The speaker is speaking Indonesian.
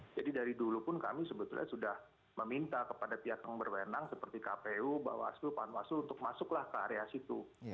jadi dari dulu pun kami sebetulnya sudah meminta kepada pihak yang berwenang seperti kpu bawaslu panwaslu untuk masuklah ke area situ